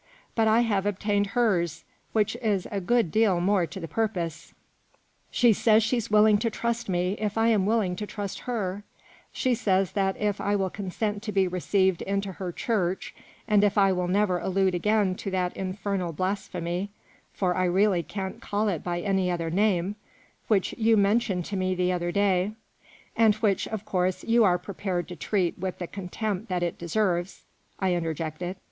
But I have obtained hers, which is a good deal more to the purpose. She says she's MADAME DE CHANTELOUP. 23 willing to trust me if I am willing to trust her; she says that if I will consent to be received into her Church, and if I will never allude again to that that infernal blasphemy (for I really can't call it by any other name) which you mentioned to me the other day "" And which, of course, you are prepared to treat with the contempt that it deserves," I interjected.